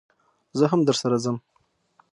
زه هم درسره ځم